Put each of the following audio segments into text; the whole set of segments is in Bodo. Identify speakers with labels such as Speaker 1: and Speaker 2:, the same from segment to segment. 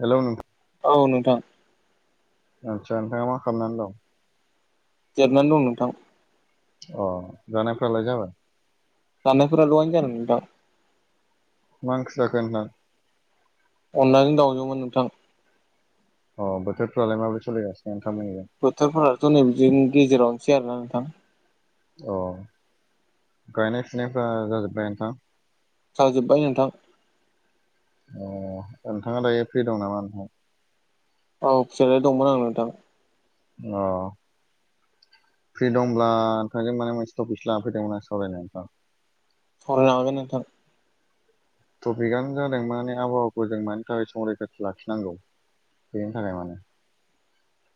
Speaker 1: हेल' नों थां
Speaker 2: औ नोंथां
Speaker 1: आदसा नोंथाङा मा खालामनानै दं
Speaker 2: जेरायनानै दं नोंथां
Speaker 1: अ जानायफ्रालाय जाबाय
Speaker 2: जानायफोरा दहायनो जादों नोंथां
Speaker 1: मा ओंख्रि जाखो नोंथां
Speaker 2: अनलाजों दाउजोंमोन नोंथां
Speaker 1: अ बोथोरफ्रालाय माबोरैसोलिगासिनो नोंथांमोननि जों
Speaker 2: बोथोरफोराथ' नैबिदिनि गेजेरावनोसै आरोना नोंथां
Speaker 1: औ गायनाय फोनायफोरा जाजोब्बाय नोंथां
Speaker 2: जाजोब्बाय नोंथां
Speaker 1: नोंथाङा दायो फ्रि दं नामा नोंथां
Speaker 2: औ फिरियालाय दंमोन आरो नोंथां
Speaker 1: अ फ्रि दंब्ला नोंथांजों माने टपिक लानानै फैदोंमोन आं सावरायनो नोंथां
Speaker 2: सावरायनो हागोन नोंथां
Speaker 1: टपिकआनो जादों माने आबहावाखौ जों मानि थाखाय संरैखाथि लाखिनांगौ बेनि थाखाय माने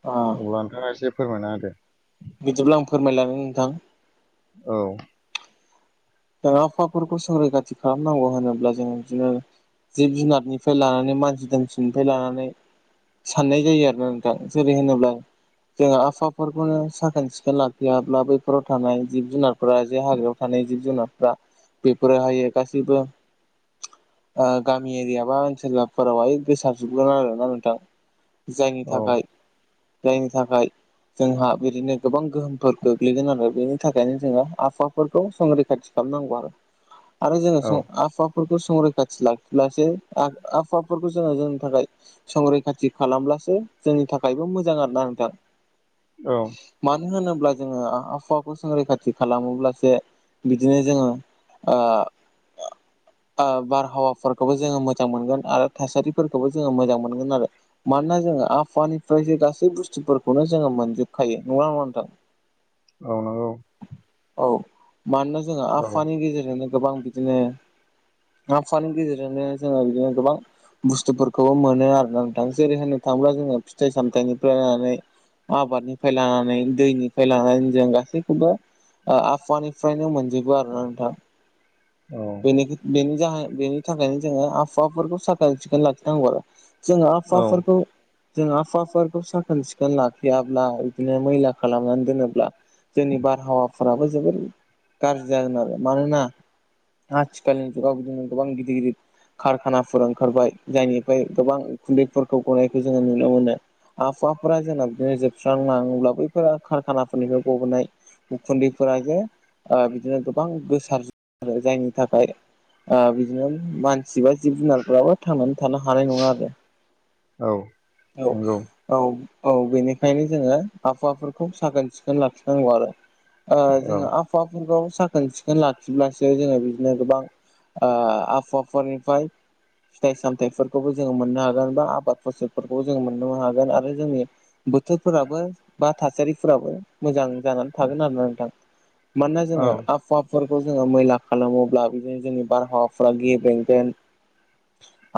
Speaker 2: ओ
Speaker 1: अब्ला नोंथाङा एसे फोरमायना होदो
Speaker 2: बिदिब्ला आं फोरमायलांनि नोंथां
Speaker 1: औ
Speaker 2: जों आ आबहावाफोरखौ संरैखाथि खालामनांगौ होनोब्ला जोंङ बिदिनो जिब जुनारनिफ्राय लानानै मानसि दोमसिनिफ्राय लानानै साननाय जायो आरो ना नोंथां जेरै होनोब्ला जोङो आबाहावफोरखौनो साखोन सिखोन लाखियाब्ला बैफोराव थानाय जिब जुनार ओमफाय जे हाग्रायाव थानाय जिब जुनार बेफोरोहायो गासैबो गामि एरिया बा ओनसोल फोरावहाय गोसारजोबगोन आरोना नोंथां जायनि थाखाय जायनि थाखाय जोंहा बिदिनो गोबां गोहोमफोर गोग्लैगोन आरो बेनि थाखायनो जोङो आबहावाफोरखौ संरैखाथि खालामनांगौ आरो आरो
Speaker 1: औ
Speaker 2: जोङो आफाफोरखौ संरैखाथि लाखिब्लासो आबहावा जोङो जोंनि थाखाय संरैखाथि खालामब्लासो जोंनि थाखायबो मोजां आर ना नोंथां
Speaker 1: औ
Speaker 2: मानो होनोब्ला जोङो आहावाखौ जों रैखाथि खालामोब्लासो बिदिनो जोङो बारहावाफोरखौबो जोङो मोजां मोनगोन आरो थासारिफोरखौबो जोङो मोजां मोनगोन आरो मानोना जोङो आफानिफ्रायसो गासै बुस्थुफोरखौनो जोङो मोनजोबखायो नंा नङा नोंथां
Speaker 1: औ नंगौ
Speaker 2: औ मानोना जोंहा
Speaker 1: औ
Speaker 2: आफानि गेजेरजोंनो गोबां बिदिनो आाहुवानि गेजेरजोंनो जोङो बिदिनो गोबां बुस्थुफोरखौबो मोनो आरोा नोंथां जेरैहाय नोंथांब्ला जोङो फिथाइ सामथायाइनिफ्राय नायनानै आबादनिफ्राय लानानै दैनिफ्राय लानानै जों गासैखौबो आबहावानिफ्रायनो मोनजोबो आरोना नोंथाङा
Speaker 1: औ
Speaker 2: नि ज बेनि थाखायनो जोङो आबहावाफोरखौ साखोन सिखोन लाखिनांगौ आरो जोङो
Speaker 1: औ
Speaker 2: आफाफोरखौ जों आफाफोरखौ साखोन सिखोन लाखियाब्ला इदिनो मैला खालामनानै दोनोब्ला जोंनि बारहावाफोराबो जोबोर गाज्रि जागोन आरो मानोना आथिखालनि जुगाव बिदिनो गोबां गिदिर गिदिर कारखानाफोर ओंखारबाय जायनिफ्राय गोबां खुन्दैफोरखौ गनायखौ जोङो नुनो मोनो आबहावाफोरा जोंना बिदिनो जोबस्रांलाङोब्ला बैफोर खारखानाफोरनिफ्राय गबोनाय उखुन्दैफोरा जे बिदिनो गोबां गोसार ज आरो जायनि थाखाय बिदिनो मानसि बा जिब जुनारफ्राबो थांनानै थानो हानाय नङा आरो
Speaker 1: औ
Speaker 2: औ
Speaker 1: नंगौ
Speaker 2: औ औ बेनिखायनो जोङो आबहावाफोरखौ साखोन सिखोन लाखिनांगौ आरो ओ
Speaker 1: औ
Speaker 2: जोङो आफहाफोरखौ साखोन सिखोन लाखिब्लासो जोङो बि गोबां ओ आबहावाफोरनिफाय फिथाइ सामथायाइफोरखौबो जोङो मोननो हागोन बा आबाद फसलफोरखौबो जोङो मोननोनो हागोन आरो जोंनि बोथोरफोराबो बा थासारिफोराबो मोजां जानानै थागोन आरोना नोंथां मानोना
Speaker 1: औ
Speaker 2: जोङो आफावाफोरखौ जोङो मैला खालामो ब्ला बिदिनो जोंनि बारहावाफोरा गेब्रेंगोन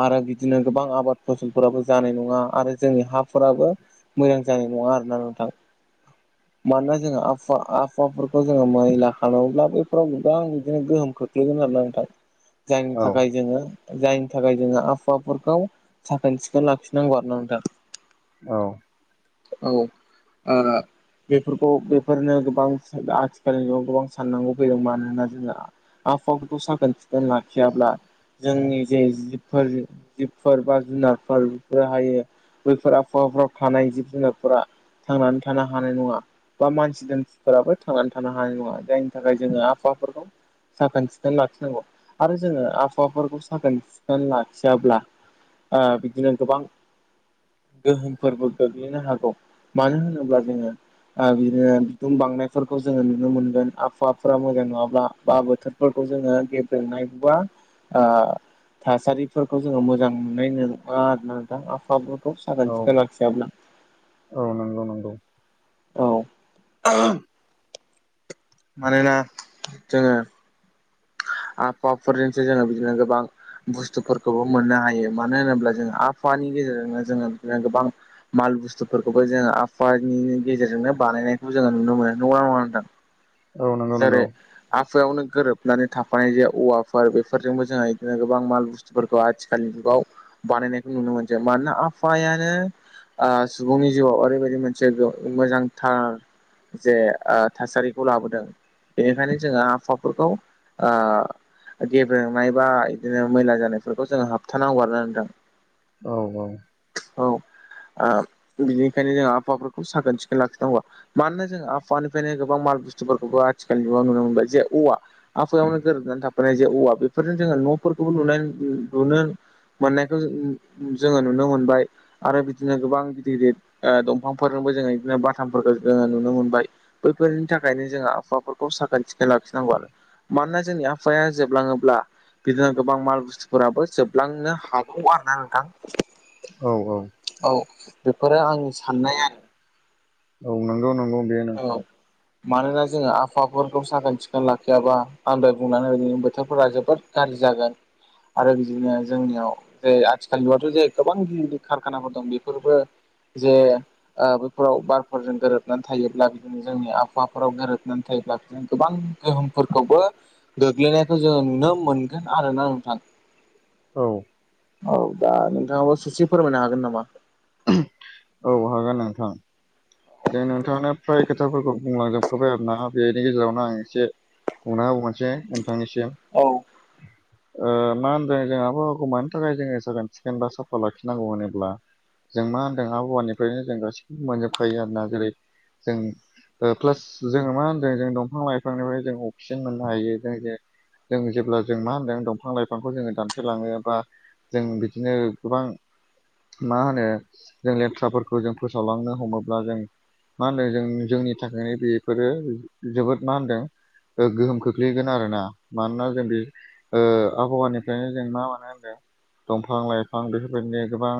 Speaker 2: आरो बिदिनो गोबां आबाद फसलफोराबो जानाय नङा आरो जोंनि हाफोराबो मोजां जानाय नङा आरोना नोंथां
Speaker 1: [inaudible]
Speaker 2: मानोना जोङो आफा आफावाफोरखौ जोङो मैला खालामोब्ला बैफोराव गोबां बिदिनो गोहोम खो ख्लैगोन आरोना नोंथां जायनि थाखाय जोङो जायनि थाखाय जोङो आबहावाफोरखौ साखोन सिखोन लाखिनांगौ आरो ना नोंथां
Speaker 1: औ
Speaker 2: औ ओ बेफोरखौ बेफोरनो गोबां आथिखालनि न' गोबां साननांगौ फैदों मानोना जोंआ आबहावा फोरखौ साखोन सिखोन लाखियाब्ला जोंनि जे जिबफोर जिबफोर बा जुनारफोर बेफोर हायो बैफोर आबहावाफ्राव थानाय जिब जुनारफोरा थांनानै थानो हानाय नङा बा मानसि दानसिफोराबो थांनानै थानो हानाय नङा जायनि थाखाय जोङो आबहावाफोरखौ साखोन सिखोन लाखिनांगौ आरो जोङो आबहावाफोरखौ साखोन सिखोन लाखियाब्ला ओ बिदिनो गोबां गोहोमफोरबो गोग्लैनो हागौ मानो होनोब्ला जोङो आ बिदिनो बिदुं बांनायफोरखौ जोङो नुनो मोनगोन आबहावाफोरा मोजां नङाब्ला बा बो थोरफोरखौ जोङो गेब्रेनायबा ओ थासारिफोरखौ जोङो मोजां मोननाय नङा आरो ना नोंथां आबहावाफोरखौ
Speaker 1: औ
Speaker 2: साखोन सिखोन लाखियाब्ला
Speaker 1: औ नंगौ नंगौ
Speaker 2: औ मानोना जोङो आबहावाफोरजोंसो जोङो बिदिनो गोबां बुस्थुफोरखौबो मोननो हायो मानो होनोब्ला जों आबहावानि गेजेरजोंनो जोङो बिदिनो गोबां माल बुस्थुफोरखौबो जोङो आबहावानि गेजेरजोंनो बानायनायखौ जोङो नुनो मोनो नंगौना नङा नोंथां।
Speaker 1: [inaudible]
Speaker 2: जेरै
Speaker 1: नंगौ
Speaker 2: आफुवायावनो गोरोब हमनानै थाफानाय जे औवाफोर बेफोरजोंबो जोंहा इदिनो गोबां माल बुस्थुफोरखौ आथिखालनि जुगाव बानायनायखौ नुनो मोनसो मानोना आफायानो आ सुबुंनि जिउआव ओरैबायदि मोनसे मोजांथार जे ओ थासारिखौ लाबोदों बेनिखायनो जोङो आफाफोरखौ ओ गेब्रेंनाय बा बिदिनो मैला जानायफोरखौ जोङो हाबथानांगौ बारना होनदों
Speaker 1: औ औ
Speaker 2: औ बिनिखायनो जों आबहावाफोरखौ साखोन सिखोन लाखिनांगौ मानोना जों आबहावानिफ्रायनो गोबां माल बुस्थुफोरखौबो आथिखाल नु नुनो मोनबाय जे औवा आफहायावनो गोरोबनानै थाफैनाय जे औवा बेफोरजों जोङो न'फोरखौबो लुनाय लुनो मोननायखौ जोङो नुनो मोनबाय आरो बिदिनो गोबां गिदिर गिदिर ओ दंफांफोरजोंबो जोङो इदिनो बाथामफोरख ओ नुनो मोनबाय बैफोरनि थाखायनो जोंहा आबहावाफोरखौ साखोन सिखोन लाखिनांगौ आरो मानोना जोंनि आफहावाया जोबलाङोब्ला बिदिनो गोबां माल बुस्थुफोराबो जोबलांनो हाग अ आरोना नोंथां
Speaker 1: औ औ
Speaker 2: औ बेफोरो आंनि साननाय आरो
Speaker 1: औ नोंगौ नोंगौ बे
Speaker 2: औ
Speaker 1: नोंथां
Speaker 2: मानोना जोङो आबहावाफोरखौ साखोन सिखोन लाखियाबा आं दहाय बुंलांनाय बिदिनो बोथोरफोरा जोबोद गाज्रि जागोन आरो बिदिनो जोंनियाव जों आथिखालनि मुगायावथ जे गोबां गिदिर खारखानाफोर दं बेफोरबो जे बैफोराव बारफोरजों गोरोबनानै थायोब्ला बिदिनो जोंनि आबहावाफोराव गोरोबनानै थायोब्ला बिदिनो गोबां गोहोमफोरखौबो गोग्लैनायखौ जोङो नुनो मोनगोन आरोना नोंथां
Speaker 1: औ
Speaker 2: औ दा नोंथाङाबो ससे फोरमायनो हागोन नामा
Speaker 1: औ हागोन नोंथां जों नोंथांनो फ्राय खोथाफोरखौ बुंलांजोबखाबाय आरोना बेनि गेजेरावनो आं एसे बुंना होबावनोसै नोंथांनिसिम
Speaker 2: औ
Speaker 1: [inaudible] मा होनदों जों आबहावाखौ मानि थाखाय जोङो साखोन सिखोन बा साफा लाखिनांगौ होनोब्ला जों मा होनदों आबहावानिफ्रायनो जों गासिखौबो मोनजोबखायो आरोना जेरै जों प्लास जोङो मा होनदों जों दंफां लाइफांनिफ्राय जों अक्सिजेन मोननो हायो जों जे जों जेब्ला जों मा होनदों दंफां लाइफांखौ जोङो दानफायलाङो बा जों बिदिनो गोबां मा होनो जों लेथ्राफोरखौ जों फोसावलांनो हमोला ब्ला जों मा होनदों जों जोंनि थाखायनो बेफोरो जोबोद मा होनदों गोहोम खोख्लैगोन आरोना मानोना जों बे आबहावानिफ्रायनो जों मा मानो होनदों दंफां लाइफां बेफोरबायदिनो गोबां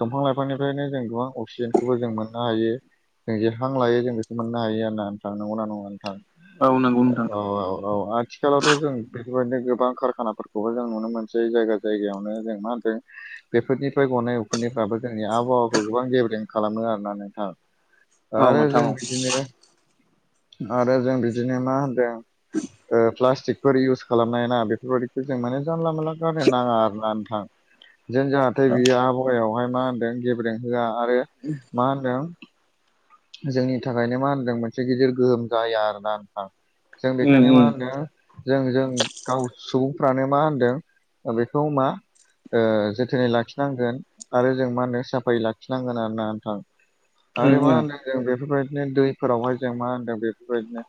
Speaker 1: दंफां लाइफांनिफ्रायनो जों गोबां अक्सिजेन बेखौबो जों मोननो हायो जों जे हां लायो जों बेखौ मोननो हायो आरोना नोंथां नोंगौना नङा नोंथां
Speaker 2: औ नंगौ नोंथां
Speaker 1: औ औ औ आथ आथिखालावथ' जों बेफोरबायदिनो गोबां कारखानाफोरखौबो जों नुनो मोनसै जायगा जायगायावनो जों मा होनदों बेफोरनिफ्राय गनाय उखुनदैनिफ्राबो जोंनि आबहावाखौ गोबां गेब्रें खालामो आरोना नोंथां
Speaker 2: औ
Speaker 1: आरो
Speaker 2: नोंथां
Speaker 1: जों
Speaker 2: औ
Speaker 1: बिदिनो आरो जों बिदिनो मा होनदों ओ प्लास्टिकफोर इउस खालामनाय ना बेफोरबायदिखौ जों माने जानला मोनानला गारनो नाङा आरोना नोंथां जेन जाहाथे बियो आबहावायावहाय मा होनदों गेब्रें होआ आरो
Speaker 2: उम
Speaker 1: मा होनदों जोंनि थाखायनो मा होनदों मोनसे गिदिर गोहोम जाया आरोना नोंथां जों
Speaker 2: उम
Speaker 1: बेखायनो मा
Speaker 2: उम
Speaker 1: होनो जों जों गाव सुबुंफ्रानो मा होनदों बेखौ मा ओ जोथोनै लाखिनांगोन आरो जों मा होनो साफायै लाखिनांगोन आरो ना नोंथां
Speaker 2: उम
Speaker 1: आरो मा
Speaker 2: उम
Speaker 1: होनदों जों बेफोरबायदिनो दैफोरावहाय जों मा होनदों बेफोरबायदिनो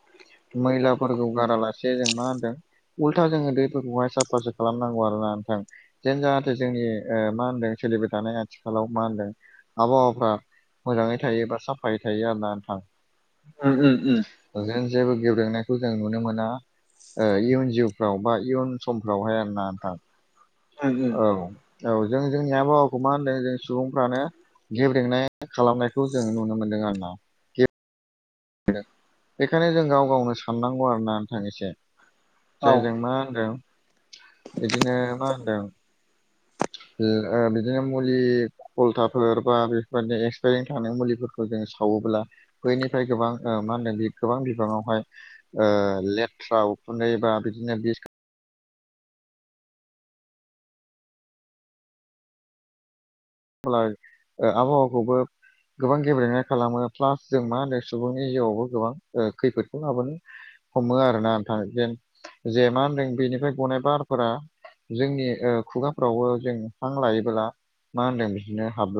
Speaker 1: मैलाफोरखौ गारालासे जों मा होनदों उलथा जोङो दैफोरखौहाय साफा सो खालामनांगौ आरो ना नोंथां जेन जाहाथे जोंनि मा होनदों सोलिबाय थानाय आथिखालाव मा होनदों आबहावाफ्रा मोजाङै थायो बा साफायै थायो आर ना नोंथां
Speaker 2: ओमहो ओ
Speaker 1: जों जेबो गेब्रेंनायखौ जों नुनो मोना ओ इयुन जिउफ्राव बा इयुन समफ्रावहा आरो ना नोंथां
Speaker 2: उम उम
Speaker 1: औ औ जों जोंनि आबहावाखौ मा होनदों जों सुबुंफ्रानो गेब्रेंनाय खालामनायखौ जोंङो नुनो मोनदों आरोना बेखायनो जों गाव गावनो साननांगौ आरोना नोंथां एसे
Speaker 2: औ
Speaker 1: जोंजों मा होनदों बिदिनो मा होनदों ओ बिदिनो मुलि खलथाफोर बा बेफोरबायदि एक्सपायेरिं थांनाय मुलिफोरखौ जों सावोब्ला बैनिफ्राय गोबां मा होनो गोबां बिबाङावहाय ओ लेथ्रा उखुनदै बा बिदिनो बिस होनालाय आबहावाखौबो गोबां गेब्रेनाय खालामो प्लास जों मा होनो सुबुंनि जिउआवबो गोबां खैफोदखौ लाबोनो हमो आरोना नोंथा जेन जे मा होनदों बेनिफ्राय गनाय बारफोरा जोंनि ओ खुगाफ्रावबो जों हां लायोबोला मा होनदों बिदिनो हाब [unintelligible]